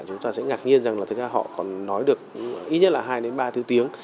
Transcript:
chúng ta sẽ ngạc nhiên rằng họ còn nói được ít nhất là hai ba thứ tiếng